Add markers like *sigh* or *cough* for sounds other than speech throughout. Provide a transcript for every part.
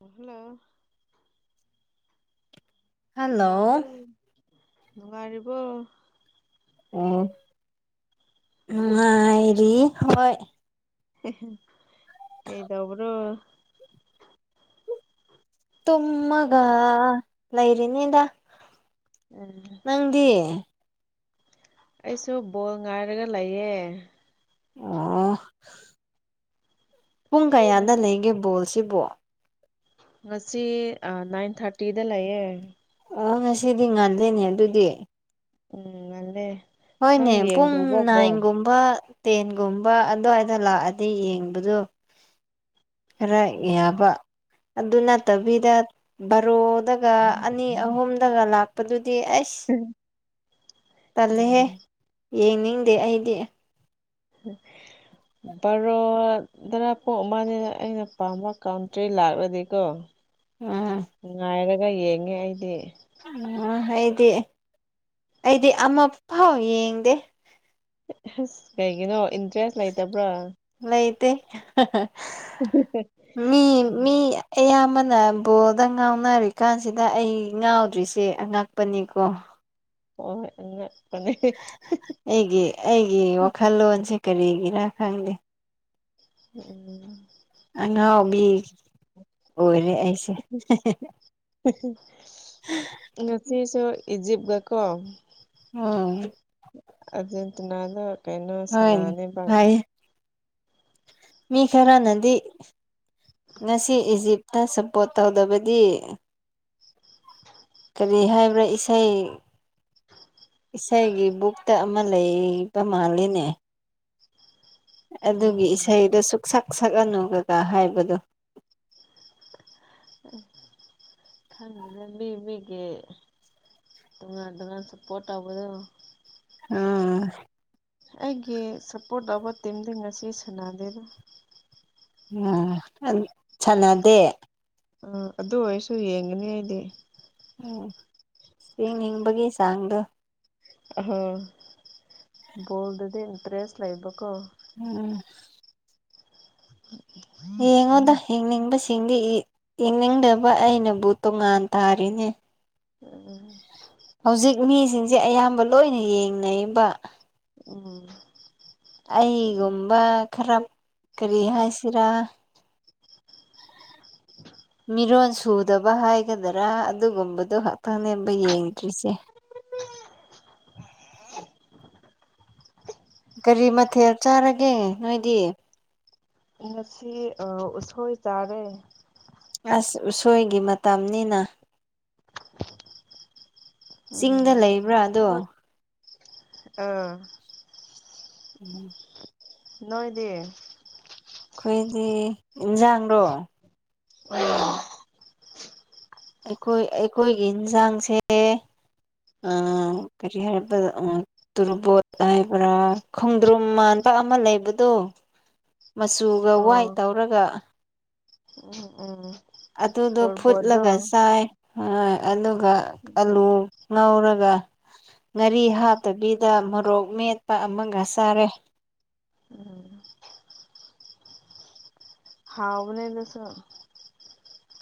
hello hello ꯇꯕꯣ ꯅꯨꯡꯉꯥꯏꯔꯤꯕꯣ ꯑꯣ ꯅꯨꯡꯉꯥꯏꯔꯤ ꯍꯣꯏ ꯀꯩ ꯇꯧꯕ꯭ꯔꯣ ꯇꯨꯝꯃꯒ ꯂꯩꯔꯤꯅꯤꯗ ꯎꯝ ꯅꯪꯗꯤ ꯑꯩꯁꯨ ꯕꯣꯜ ꯉꯥꯏꯔꯒ ꯂꯩꯌꯦ ꯑꯣ ꯄꯨꯡ ꯀꯌꯥꯗ ꯅꯪꯗꯤ ꯂꯩꯒꯦ ꯕꯣꯜꯁꯤꯕꯣ ꯉꯁꯤ ꯑꯥ ꯅꯥꯏꯟ ꯊꯥꯔꯇꯤꯗ ꯂꯩꯌꯦ ꯑꯥ ꯉꯁꯤꯗꯤ ꯉꯥꯟꯂꯦꯅꯦ ꯑꯗꯨꯗꯤ ꯎꯝ ꯉꯟꯂꯦ ꯍꯣꯏꯅꯦ ꯄꯨꯡ ꯅꯥꯏꯟꯒꯨꯝꯕ ꯇꯦꯟꯒꯨꯝꯕ ꯑꯗꯨꯋꯥꯏꯗ ꯂꯥꯛꯑꯗꯤ ꯌꯦꯡꯕꯗꯣ ꯈꯔ ꯎꯝ ꯌꯥꯕ ꯑꯗꯨ ꯅꯠꯇꯕꯤꯗ ꯚꯔꯣ ꯗꯒ ꯑꯅꯤ ꯑꯍꯨꯝꯗꯒ ꯂꯥꯛꯄꯗꯨꯗꯤ ꯑꯩꯁ ꯇꯜꯂꯦꯍꯦ ꯎꯝ ꯌꯦꯡꯅꯤꯡꯗꯦ ꯑꯩꯗꯤ ꯎꯝ ꯕꯥꯔꯣꯗꯔꯥ ꯄꯨꯡ ꯑꯃꯅꯤꯅ ꯑꯩꯅ ꯄꯥꯝꯕ ꯀꯥꯟꯇ꯭ꯔꯤ ꯂꯥꯛꯂꯗꯤꯀꯣ ꯎꯝ ꯉꯥꯏꯔꯒ ꯌꯦꯡꯉꯦ ꯑꯩꯗꯤ ꯑꯣ ꯑꯩꯗꯤ ꯑꯩꯗꯤ ꯑꯃ ꯐꯥꯎ ꯌꯦꯡꯗꯦ ꯑꯁ ꯀꯩꯒꯤꯅꯣ ꯏꯟꯇꯔꯦꯁ ꯂꯩꯇꯕ꯭ꯔꯥ ꯂꯩꯇꯦ ꯍꯥꯍꯥꯩ ꯃꯤ ꯃꯤ ꯑꯌꯥꯝꯕꯅ ꯑꯗꯨꯅ ꯕꯣꯜꯗ ꯉꯥꯎꯅꯔꯤꯀꯥꯟꯁꯤꯗ ꯑꯩ ꯉꯥꯎꯗ꯭ꯔꯤꯁꯦ ꯑꯉꯛꯄꯅꯤꯀꯣ ꯑꯣ ꯑꯣ ꯑꯩꯒꯤ ꯑꯩꯒꯤ ꯋꯥꯈꯜꯂꯣꯟꯁꯦ ꯀꯔꯤꯒꯤꯒꯤꯔ ꯈꯪꯗꯦ ꯎꯝ ꯑꯉꯥꯎꯕꯤ ꯑꯣꯏꯔꯦ ꯑꯩꯁꯦ ꯏꯍꯤꯍꯤ ꯉꯁꯤꯁꯨ ꯏꯖꯤꯞ ꯒ ꯀꯣ ꯎꯝ ꯑꯥꯔꯖꯦꯟꯇꯤꯅꯥꯗꯣ ꯀꯩꯅꯣ ꯍꯣꯏꯅꯦ ꯁꯅꯥꯅꯤꯕ ꯍꯥꯏꯌꯦ ꯃꯤ ꯈꯔꯥ ꯅꯗꯤ ꯉꯁꯤ ꯏꯖꯤꯞꯇ ꯁꯞꯄꯣꯔꯠ ꯇꯧꯗꯕꯗꯤ ꯀꯔꯤ ꯍꯥꯏꯕ꯭ꯔꯥ ꯏꯁꯩ ꯏꯁꯩꯒꯤ ꯕꯨꯛꯇ ꯑꯃ ꯂꯩꯕ ꯃꯥꯜꯂꯤꯅꯦ ꯑꯗꯨꯒꯤ ꯎꯝ ꯏꯁꯩꯗꯣ ꯁꯨꯛ ꯁꯛ ꯁꯛꯑꯅꯨ ꯀꯛꯀ ꯍꯥꯏꯕꯗꯣ ꯈꯪꯗꯦꯗ ꯃꯤ ꯃꯤꯒꯤ ꯇꯣꯉꯥꯟ ꯇꯣꯉꯥꯟ ꯁꯄꯣꯔꯠ ꯇꯧꯕꯗꯣ ꯎꯝ ꯑꯩꯒꯤ ꯁꯞꯄꯣꯔꯠ ꯇꯧꯕ ꯇꯤꯝꯗꯤ ꯉꯁꯤ ꯁꯥꯟꯅꯗꯦꯗ ꯑꯥ ꯁꯥꯅꯗꯦ ꯑꯥ ꯑꯗꯨ ꯑꯣꯏꯔꯁꯨ ꯌꯦꯡꯒꯅꯤ ꯑꯩꯗꯤ ꯎꯝ ꯊꯌꯦꯡꯅꯤꯡꯕꯒꯤ ꯆꯥꯡꯗꯣ ꯑꯣ ꯍꯣ ꯕꯣꯜꯗꯗꯤ ꯏꯟꯇ꯭ꯔꯦꯁ ꯂꯩꯏꯕ ꯀꯣ ꯎꯝ ꯌꯦꯡꯉꯣꯗ ꯌꯦꯅꯤꯡꯕꯁꯤ ꯁꯤꯡꯗꯒꯤ ꯕꯦꯅꯤꯡꯗꯕ ꯑꯩꯅꯕꯨ ꯇꯣꯉꯥꯟ ꯇꯥꯔꯤꯅꯦ ꯎꯝ ꯍꯧꯖꯤꯛ ꯃꯤꯁꯤꯡꯁꯦ ꯑꯌꯥꯝꯕ ꯂꯣꯏꯅ ꯌꯦꯡꯅꯩꯌꯦꯕ ꯎꯝ ꯑꯩꯒꯨꯝꯕ ꯈꯔ ꯀꯔꯤ ꯍꯥꯏꯁꯤꯔꯥ *inaudible* ꯃꯤꯔꯣꯟ ꯁꯨꯗꯕ ꯍꯥꯏꯒꯗꯔꯥ ꯑꯗꯨꯒꯨꯝꯕꯗꯨꯣ ꯈꯥꯛꯇꯪ ꯅꯦꯕ ꯌꯦꯡꯗ꯭ꯔꯤꯁꯦ ꯀꯔꯤ ꯃꯊꯦꯜ ꯆꯥꯔꯒꯦ ꯅꯣꯏꯗꯤ ꯉꯁꯤ ꯑꯥ ꯎꯁꯣꯏ ꯆꯥꯔꯦ ꯑꯁ ꯎꯁꯣꯏꯒꯤ ꯃꯇꯝꯅꯤꯅ ꯆꯤꯡꯗ ꯂꯩꯕ꯭ꯔꯥ ꯑꯗꯣ ꯎꯝ ꯎꯝ ꯅꯣꯏꯗꯤ ꯑꯩꯈꯣꯏꯗꯤ ꯏꯟꯖꯥꯡꯗꯣ *inaudible* ꯑꯩꯈꯣꯏ ꯑꯩꯈꯣꯏꯒꯤ ꯌꯦꯟꯁꯥꯡꯁꯦ ꯑꯥ ꯀꯔꯤ ꯍꯥꯏꯕ ꯇꯨꯔꯕꯣꯠ ꯍꯥꯏꯕ꯭ꯔꯥ ꯈꯣꯡꯗ꯭ꯔꯨꯝ ꯃꯥꯟ ꯕꯥ ꯑꯃ ꯂꯩꯕꯗꯣ ꯃꯆꯨꯒ ꯋꯥꯏꯠ ꯇꯧꯔꯒ ꯎꯝ ꯎꯝ ꯑꯗꯨꯗꯣ ꯇꯣꯔꯕꯣꯠꯗꯣ ꯐꯨꯠꯂꯒ ꯆꯥꯏ ꯍꯣꯏ ꯑꯗꯨꯒ ꯑꯂꯨ ꯉꯧꯔꯒ ꯉꯥꯔꯤ ꯍꯥꯞꯇꯕꯤꯗ ꯃꯣꯔꯣꯛ ꯃꯦꯠꯄ ꯑꯃꯒ ꯆꯥꯔꯦ ꯎꯝ *unintelligible*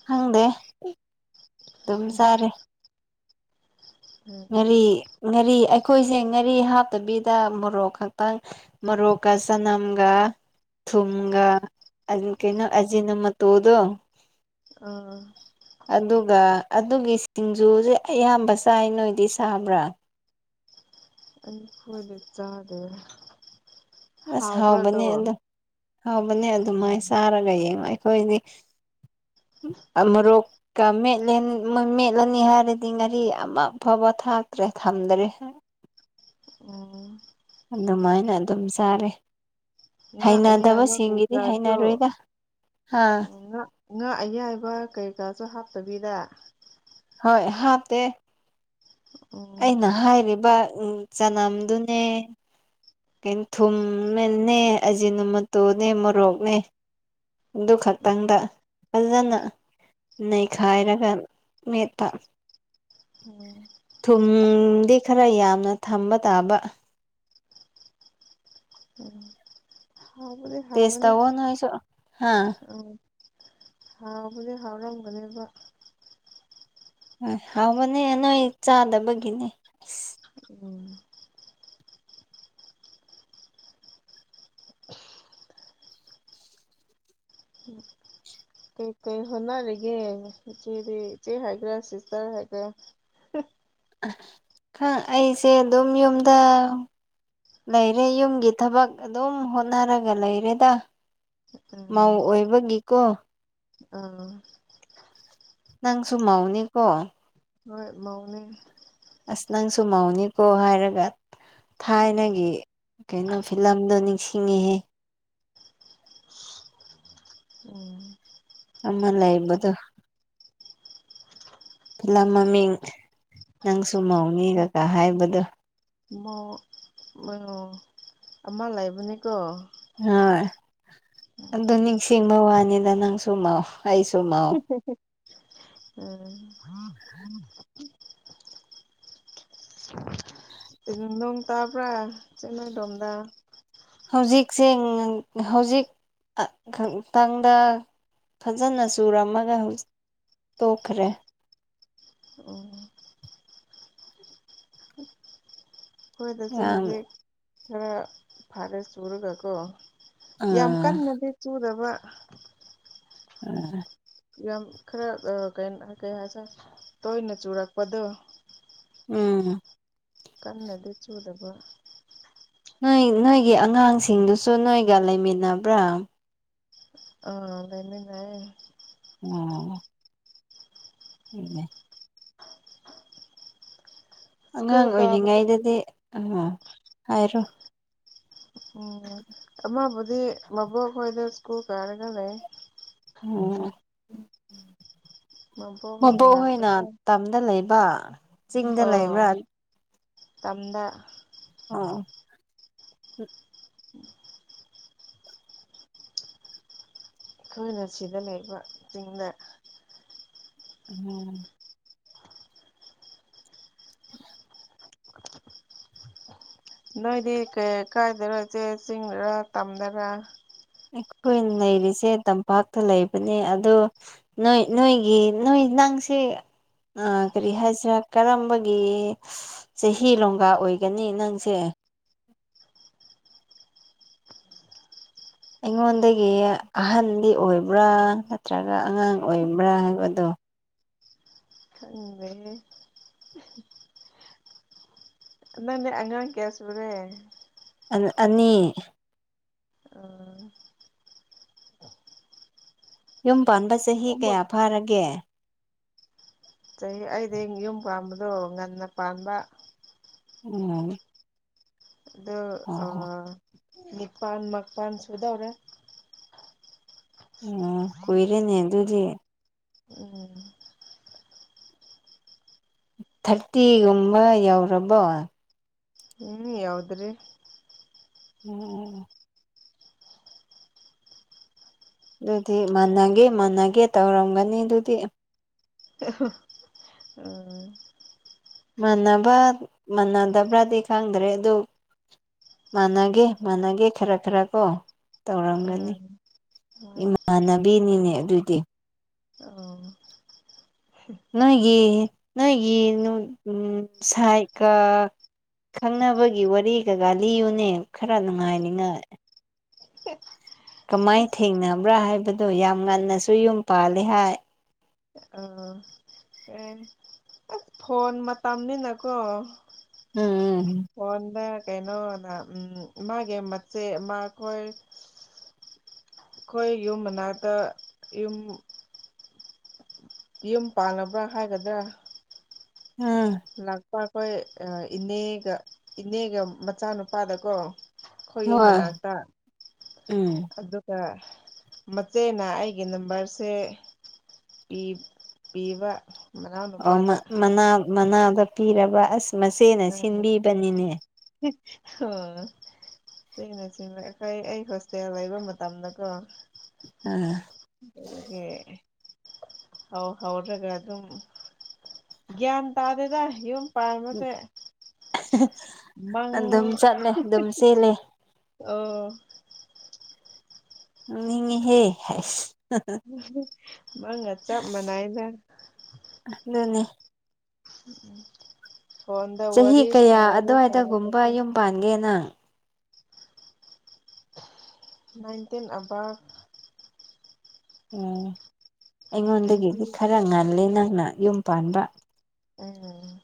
ꯈꯪꯗꯦ ꯑꯗꯨꯝ ꯆꯥꯔꯦ ꯎꯝ ꯉꯥꯔꯤ ꯉꯥꯔꯤ ꯑꯩꯈꯣꯏꯁꯦ ꯉꯥꯔꯤ ꯍꯥꯞꯇꯕꯤꯗ ꯃꯣꯔꯣꯛ ꯈꯛꯇꯪ ꯃꯣꯔꯣꯛ ꯀ ꯆꯅꯝꯒ ꯊꯨꯝꯒ ꯑꯜ ꯀꯩꯅꯣ ꯑꯖꯤꯅꯥꯃꯣꯇꯣꯔꯗꯣ ꯑꯥ ꯑꯗꯨꯒ ꯑꯗꯨꯒꯤ ꯁꯤꯡꯖꯨꯁꯦ ꯑꯌꯥꯝꯕ ꯁꯥꯏꯅꯣꯏ ꯗꯤꯁꯕ꯭ꯔꯥ ꯍꯣꯏꯗꯤ ꯆꯥꯗꯦ ꯑꯁ ꯍꯥꯎꯕ꯭ꯔꯥꯗꯣ ꯍꯥꯎꯕꯅꯦ ꯑꯗꯣ ꯍꯥꯎꯕꯅꯦ ꯑꯗꯨꯃꯥꯏ ꯆꯥꯔꯒ ꯌꯦꯡꯉꯣ ꯑꯩꯈꯣꯏꯗꯤ ꯃꯣꯔꯣꯛꯀ ꯃꯦꯠꯂ ꯃꯦꯠꯂꯅꯤ ꯍꯥꯏꯔꯗꯤ ꯉꯥꯔꯤ ꯑꯃ ꯐꯥꯎꯕ ꯊꯥꯛꯇ꯭ꯔꯦ ꯊꯝꯗ꯭ꯔꯦ ꯎꯝ ꯑꯗꯨꯃꯥꯏꯅ ꯑꯗꯨꯝ ꯆꯥꯔꯦ ꯉꯥ ꯑꯌꯥꯏꯕ ꯍꯩꯅꯗꯕꯁꯤꯡꯒꯤꯗꯤ ꯀꯩꯀꯥꯁꯨ ꯍꯩꯅꯔꯣꯏꯗ ꯍꯥ ꯉꯥ ꯉꯥ ꯑꯌꯥꯏꯕ ꯀꯩꯀꯥꯁꯨ ꯍꯥꯞꯇꯕꯤꯗ ꯍꯣꯏ ꯍꯥꯥꯞꯇꯦ ꯎꯝ ꯑꯩꯅ ꯍꯥꯏꯔꯤꯕ ꯆꯅꯝꯗꯨꯅꯦ ꯀ ꯊꯨꯝꯃꯤꯅꯦ ꯑꯖꯤꯅꯨ ꯃꯣꯇꯣꯔꯅꯦ ꯃꯣꯔꯣꯛꯅꯦ ꯑꯗꯨ ꯈꯛꯇꯪꯗ ꯐꯖꯅ ꯅꯩꯈꯥꯏꯔꯒ ꯃꯦꯠꯄ ꯎꯝ ꯊꯨꯝꯗꯤ ꯈꯔ ꯌꯥꯝꯅ ꯊꯝꯕ ꯇꯥꯕ ꯎꯝ ꯍꯥꯎꯕꯗꯤ ꯇꯁ ꯍꯥꯎꯕꯅꯦ ꯇꯧꯋꯣ ꯅꯣꯏꯁꯨ ꯍꯥꯥ ꯎꯝ ꯍꯥꯎꯕꯗꯤ ꯍꯥꯎꯔꯝꯒꯅꯦꯕ ꯍꯣꯏ ꯍꯥꯎꯕꯅꯦ ꯅꯣꯏ ꯆꯥꯗꯕꯒꯤꯅꯦ ꯑꯁ ꯎꯝ *unintelligible* ꯀꯩ ꯀꯩ ꯍꯣꯠꯅꯔꯤꯒꯦ ꯏꯆꯦꯗꯤ ꯏꯆꯦ ꯍꯥꯏꯒ꯭ꯔꯥ ꯁꯤꯁꯇꯔ ꯍꯥꯏꯒ꯭ꯦꯔꯥ *unintelligible* ꯈꯪ ꯑꯩꯁꯦ ꯑꯗꯨꯝ ꯌꯨꯝꯗ ꯂꯩꯔꯦ ꯌꯨꯝꯒꯤ ꯊꯕꯛ ꯑꯗꯨꯝ ꯍꯣꯠꯅꯔꯒ ꯂꯩꯔꯦꯗ ꯃꯧ ꯎꯝ ꯑꯣꯏꯕꯒꯤꯀꯣ ꯑꯥ ꯅꯪꯁꯨ ꯃꯧꯅꯤꯀꯣ ꯍꯣꯏ ꯃꯧꯅꯦ ꯑꯁ ꯅꯪꯁꯨꯨ ꯃꯧꯅꯤꯀꯣ ꯍꯥꯏꯔꯒ ꯊꯥꯏꯅꯒꯤ ꯀꯩꯅꯣ ꯐꯤꯂꯝꯗꯣ ꯅꯤꯡꯁꯤꯡꯉꯤꯍꯦ ꯎꯝ ꯑꯃ ꯂꯩꯕꯗꯣ ꯐꯤꯂꯝ ꯃꯃꯤꯡ ꯅꯪꯁꯨ ꯃꯧꯅꯤ ꯀꯀꯥ ꯍꯥꯏꯕꯗꯣ ꯃꯣ ꯑꯣ ꯑꯃ ꯂꯩꯕꯅꯦꯀꯣ ꯍꯣꯏ ꯑꯗꯨ ꯅꯤꯡꯁꯤꯡꯕ ꯋꯥꯅꯤꯗ ꯅꯪꯁꯨꯨ ꯃꯧ ꯑꯩꯁꯨ ꯃꯧ ꯎꯝ *unintelligible* ꯅꯣꯡ ꯇꯥꯕ꯭ꯔ ꯅꯣꯏꯔꯣꯝꯗ ꯍꯧꯖꯤꯛꯁꯦ ꯍꯧꯖꯤꯛ *unintelligible* ꯐꯖꯅ ꯆꯨꯔꯝꯃꯒ ꯍꯧꯖꯤꯛ ꯇꯣꯛꯈ꯭ꯔꯦ ꯎꯝ ꯈꯣꯏꯗꯁꯨ ꯌꯥꯝ ꯍꯧꯖꯤꯛ ꯈꯔ ꯐꯥꯔꯦ ꯆꯨꯔꯒ ꯀꯣ ꯑ ꯌꯥꯝ ꯀꯟꯅꯗꯤ ꯆꯨꯗꯕ *unintelligible* ꯌꯥꯝ ꯈꯔ ꯀꯩ ꯍꯥꯏꯁꯤꯔꯥ ꯇꯣꯏꯅ ꯆꯨꯔꯛꯄꯗꯣ ꯎꯝ ꯀꯟꯅꯗꯤ ꯆꯨꯗꯕ ꯅꯣꯏ ꯅꯣꯏꯒꯤ ꯑꯉꯥꯡꯁꯤꯡꯗꯨꯁꯨ ꯅꯣꯏꯒ ꯂꯩꯃꯤꯟꯅꯕ꯭ꯔꯥ ꯑꯧꯎ ꯂꯩꯃꯤꯟꯅꯩꯌꯦ ꯎꯝ *unintelligible* ꯁ꯭ꯀꯨꯜ ꯑꯉꯥꯡ ꯀꯥꯕ ꯑꯣꯏꯔꯤꯉꯩꯗꯗꯤ ꯑ ꯍꯥꯏꯔꯣ ꯎꯝ ꯑꯃꯕꯨꯗꯤ ꯃꯕꯣꯛ ꯍꯣꯏꯗ ꯁ꯭ꯀꯨꯜ ꯀꯥꯔꯒ ꯂꯩ ꯎ *unintelligible* ꯃꯕꯣꯛ ꯍꯣꯏ ꯃꯕꯣꯛꯍꯣꯏꯅ ꯃꯅꯥꯛꯇꯀꯣ ꯇꯝꯗ ꯂꯩ ꯕꯔꯥ ꯆꯤꯡꯗ ꯑꯣ ꯂꯩꯥꯏꯕ꯭ꯔꯥ ꯇꯝꯗ ꯑꯥ ꯑꯩꯈꯣꯏꯅ ꯁꯤꯗ ꯂꯩꯕ ꯆꯤꯡꯗ ꯎꯝ ꯅꯣꯏꯗꯤ ꯀꯩ ꯀꯥꯏꯗꯔ ꯆꯦ ꯆꯤꯡꯗꯔ ꯇꯝꯗꯔ ꯑꯩꯈꯣꯏ ꯂꯩꯔꯤꯁꯦ ꯇꯝꯄꯥꯛꯇ ꯂꯩꯕꯅꯦ ꯑꯗ ꯅꯣꯏ ꯅꯣꯏꯒꯤ ꯅꯣꯏ ꯅꯪꯁꯤ ꯀꯔꯤ ꯍꯥꯏꯁꯤꯔꯥ ꯀꯔꯝꯕꯒꯤ ꯆꯍꯤ ꯂꯣꯡꯒꯥ ꯑꯣꯏꯒꯅꯤ ꯅꯪꯁꯦ ꯑꯩꯉꯣꯟꯗꯒꯤ ꯑꯍꯟꯗꯤ ꯑꯣꯏꯕ꯭ꯔꯥ ꯅꯠꯇ꯭ꯔꯒ ꯑꯉꯥꯡ ꯑꯣꯏꯕ꯭ꯔꯥ ꯍꯥꯏꯕꯗꯣ ꯈꯪꯗꯦ ꯅꯪꯅꯦ ꯑꯉꯥꯡ ꯀꯌꯥ ꯁꯨꯔꯦ ꯑ ꯑꯅꯤ ꯑ ꯌꯨꯝ ꯄꯥꯟꯕ ꯆꯍꯤ ꯑꯍꯨꯝ ꯀꯌꯥ ꯐꯥꯔꯒꯦ ꯆꯍꯤ ꯑꯩꯗꯤ ꯌꯨꯝ ꯄꯥꯟꯕꯗꯣ ꯉꯟꯅ ꯄꯥꯟꯕ ꯎꯝ ꯑꯗꯣ ꯑꯣ ꯑ ꯍꯣ ꯅꯤꯄꯥꯟ ꯃꯄꯟ ꯁꯨꯗꯧꯔꯦ ꯎꯝ ꯀꯨꯏꯔꯦꯅꯦ ꯑꯗꯨꯗꯤ ꯎꯝ ꯊꯥꯔꯇꯤꯒꯨꯝꯕ ꯌꯧꯔꯕꯣ ꯎꯝ ꯌꯧꯗ꯭ꯔꯤ ꯎꯝ ꯑꯗꯨꯗꯤ ꯃꯥꯟꯅꯒꯦ ꯃꯥꯟꯅꯒꯦ ꯇꯧꯔꯝꯒꯅꯤ ꯑꯗꯨꯗꯤ *unintelligible* ꯃꯥꯟꯅꯕꯔꯥ ꯃꯥꯟꯅꯗꯕ꯭ꯔꯥꯗꯤ ꯈꯪꯗ꯭ꯔꯦ ꯑꯗꯨ ꯃꯥꯟꯅꯒꯦ ꯃꯥꯟꯅꯒꯦ ꯈꯔ ꯈꯔ ꯀꯣ ꯇꯧꯔꯝꯒꯅꯤ ꯎꯝ ꯎꯝ ꯏꯃꯥꯟꯅꯕꯤꯅꯤꯅꯦ ꯑꯗꯨꯗꯤ ꯑꯣ ꯅꯣꯏꯒꯤ ꯅꯣꯏꯒꯤ *unintelligible* ꯁꯥꯏꯒ ꯈꯪꯅꯕꯒꯤ ꯋꯥꯔꯤ ꯀꯀꯥ ꯂꯤꯌꯨꯅꯦ ꯈꯔ ꯅꯨꯡꯉꯥꯏꯅꯤꯉꯥꯏ ꯀꯃꯥꯏ ꯑꯁ ꯊꯦꯡꯅꯕ꯭ꯔꯥ ꯍꯥꯏꯕꯗꯨꯣ ꯌꯥꯝ ꯉꯟꯅꯁꯨ ꯌꯨꯝ ꯄꯥꯜꯂꯤ ꯍꯥꯏ ꯑꯥ ꯑꯦ ꯑꯁ ꯐꯣꯟ ꯃꯇꯝꯅꯤꯅꯀꯣ ꯎꯝ ꯎꯝ ꯐꯣꯟꯗ ꯀꯩꯅꯣꯗ ꯎꯝ ꯃꯥꯒꯤ ꯃꯆꯦ ꯑꯃ ꯈꯣꯏ ꯑꯩꯈꯣꯏ ꯌꯨꯝ ꯃꯅꯥꯛꯇ ꯌꯨꯝ ꯌꯨꯝ ꯄꯥꯜꯂꯕ꯭ꯔꯥ ꯍꯥꯏꯒꯗ꯭ꯔꯥ ꯎꯝ ꯂꯥꯛꯄ ꯑꯩꯈꯣꯏ ꯏꯅꯦꯒ ꯏꯅꯦꯒ ꯃꯆꯥꯅꯨꯄꯥꯗꯀꯣ ꯈꯣꯏ ꯌꯨꯝ ꯍꯣꯏ ꯃꯅꯥꯛꯇ ꯎꯝ ꯑꯗꯨꯒ ꯃꯆꯦꯅ ꯑꯩꯒꯤ ꯅꯝꯕꯔꯁꯦ ꯄꯤ ꯄꯤꯕ ꯃꯅꯥꯎꯅꯨꯄꯥꯗ ꯑꯣꯃꯅꯥꯎ ꯃꯅꯥꯎꯗ ꯄꯤꯔꯕ ꯑꯁ ꯃꯆꯦꯅ ꯁꯤꯟꯕꯤꯕꯅꯤꯅꯦ *unintelligible* *unintelligible* ꯑꯩ ꯍꯣꯁꯇꯦꯜ ꯂꯩꯕ ꯃꯇꯝꯗꯀꯣ ꯑꯥ ꯑꯗꯨꯗꯒꯤ ꯍꯥꯎ ꯍꯧꯔꯒ ꯑꯗꯨꯝ ꯒ꯭ꯌꯥꯟ ꯇꯥꯗꯦꯗ ꯌꯨꯝ ꯕꯥꯟꯕꯁꯦ ꯃꯪ ꯑꯗꯨꯝ ꯆꯠꯂꯦ ꯑꯗꯨꯝ ꯆꯦꯜꯂꯦ ꯑꯣ ꯅꯣꯛꯅꯤꯡꯉꯦꯍꯦ ꯍꯩꯁ ꯃꯪꯒ ꯆꯞ ꯃꯥꯟꯅꯩꯗ ꯑꯗꯨꯅꯦ ꯎꯝ ꯎꯝ ꯆꯍꯤ ꯀꯌꯥ ꯑꯗꯨꯋꯥꯏꯗꯒꯨꯝꯕ ꯁꯥꯔꯒ ꯌꯨꯝ ꯄꯥꯟꯒꯦ ꯅꯪ ꯅꯥꯏꯟꯇꯤꯟ ꯑꯕꯞ ꯑꯣ ꯇ꯭ꯋꯦꯟꯇꯤ ꯑꯩꯉꯣꯟꯗꯒꯤꯗꯤ ꯈꯔ ꯉꯜꯂꯦ ꯅꯪꯅ ꯌꯨꯝ ꯄꯥꯟꯕ ꯎꯝ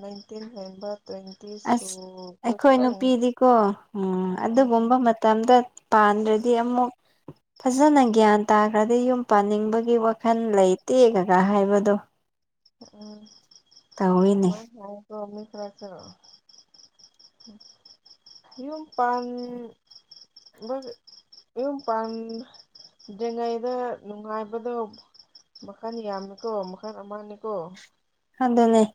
ꯅꯥꯏꯟꯇꯤꯟ ꯍꯦꯟꯕ ꯇ꯭ꯋꯦꯟꯇꯤ ꯑꯁ ꯁꯨꯕ ꯑꯩꯈꯣꯏ ꯈꯔ ꯅꯨꯄꯤꯗꯤꯀꯣ ꯎꯝ ꯑꯗꯨꯒꯨꯝꯕ ꯎꯝ ꯃꯇꯝꯗ ꯄꯥꯟꯗ꯭ꯔꯗꯤ ꯑꯃꯨꯛ ꯐꯖꯅ ꯒ꯭ꯌꯥꯟ ꯇꯥꯈ꯭ꯔꯗꯤ ꯌꯨꯝ ꯄꯥꯅꯤꯡꯕꯒꯤ ꯋꯥꯈꯜ ꯂꯩꯇꯦꯒꯒꯥꯏ ꯍꯥꯏꯕꯗꯣ ꯎꯝ ꯇꯧꯋꯤꯅꯦ ꯃꯥꯏ ꯍꯥꯏꯀꯣ ꯃꯤ ꯈꯔꯥꯁꯨ ꯌꯨꯝ ꯄꯥꯟ ꯕꯒꯤ ꯌꯨꯝ ꯄꯥꯟ ꯗ꯭ꯔꯤꯉꯩꯗ ꯅꯨꯡꯉꯥꯏꯕꯗꯣ ꯃꯈꯜ ꯌꯥꯝꯃꯤꯀꯣ ꯃꯈꯜ ꯑꯃꯅꯤꯀꯣ ꯍꯟꯗꯂꯩ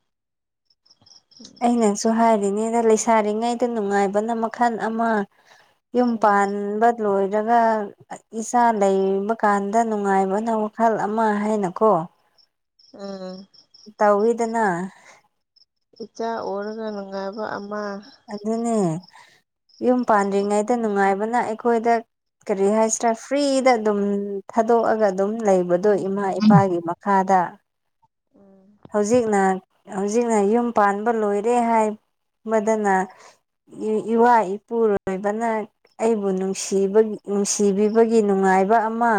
ꯑꯩꯅꯁꯨ ꯍꯥꯏꯔꯤꯅꯦꯗ ꯂꯩꯁꯥꯔꯤꯉꯩꯗ ꯅꯨꯡꯉꯥꯏꯕꯅ ꯃꯈꯜ ꯑꯃ ꯎꯝ ꯌꯨꯝꯄꯥꯟꯕ ꯂꯣꯏ ꯏꯆꯥ ꯂꯩꯕ ꯀꯥꯟꯗ ꯅꯨꯡꯉꯥꯏꯕꯅ ꯋꯥꯈꯜ ꯑꯃ ꯍꯥꯏꯅꯀꯣ ꯎꯝ ꯇꯧꯋꯦꯗꯅ ꯏꯆꯥ ꯑꯣꯔꯒ ꯅꯨꯡꯉꯥꯏꯕ ꯑꯃ ꯑꯗꯨꯅꯦ ꯌꯨꯝ ꯄꯥꯟꯗ꯭ꯔꯤꯉꯩꯗ ꯅꯨꯡꯉꯥꯏꯕꯅ ꯑꯩꯈꯣꯏꯗ ꯀꯔꯤ ꯍꯥꯏꯁꯤꯔꯥ ꯐ꯭ꯔꯤꯗ ꯑꯗꯨꯝ ꯊꯥꯗꯣꯛꯑꯒ ꯑꯗꯨꯝ ꯂꯩꯕꯗꯣ ꯏꯃꯥ ꯏꯄꯥꯒꯤ ꯃꯈꯥꯗ ꯎꯝ ꯍꯧꯖꯤꯛꯅ ꯍꯧꯖꯤꯛꯅ ꯌꯨꯝ ꯄꯥꯟꯕ ꯂꯣꯏꯔꯦ ꯍꯥꯏꯕꯗꯅ ꯏꯋꯥ ꯏꯄꯨꯔꯣꯏꯕꯅ ꯑꯩꯕꯨ ꯅꯨꯡꯁꯤꯕ ꯅꯨꯡꯁꯤꯕꯤꯕꯒꯤ ꯅꯨꯡꯉꯥꯏ ꯉꯥꯏꯕ ꯑꯃꯥ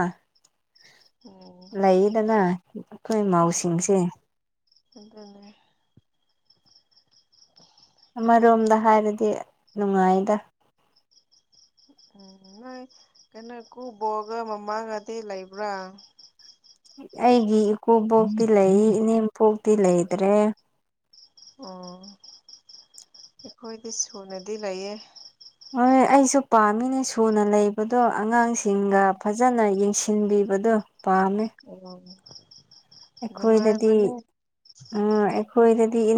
ꯎꯝ ꯂꯩꯌꯦꯗꯅ ꯑꯩꯈꯣꯏꯃꯧꯁꯤꯡꯁꯦ ꯑꯥꯗꯨꯅꯦ ꯑꯃꯔꯣꯝꯗꯍꯥꯏꯔꯗꯤ ꯅꯨꯡꯉꯥꯏꯗ INAUDIBLE ꯎꯎꯪꯝ ꯅꯣꯏ ꯀꯩꯅꯣ ꯀꯨꯕꯣꯛꯒ-ꯃꯃꯥꯒꯗꯤ ꯂꯩꯕ꯭ꯔꯥ ꯑꯩꯒꯤ ꯏꯀꯨꯕꯣꯛꯇꯤ ꯂꯩꯢ ꯏꯅꯦꯝꯄꯣꯛꯇꯤ ꯂꯩꯇ꯭ꯔꯦ ꯑꯣꯑꯣ ꯑꯩꯈꯣꯏꯗꯤ ꯁꯨꯅꯗꯤ ꯂꯩꯌꯦ ꯍꯣꯏꯌꯦ ꯑꯩꯁꯨ ꯄꯥꯝꯃꯤꯅꯦ ꯁꯨꯅ ꯂꯩꯕꯗꯣ ꯑꯉꯥꯡꯁꯤꯡꯒ ꯎꯝ ꯐꯖꯅ ꯌꯦꯡꯁꯤ ꯕꯤꯕꯗꯣ ꯑꯣꯑꯣ ꯑꯩꯈꯣꯏꯗꯗꯤ ꯑꯥ ꯑꯩꯈꯣꯏꯗꯗꯤ